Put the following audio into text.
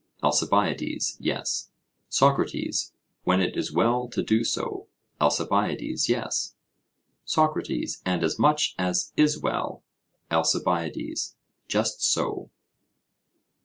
ALCIBIADES: Yes. SOCRATES: When it is well to do so? ALCIBIADES: Yes. SOCRATES: And as much as is well? ALCIBIADES: Just so.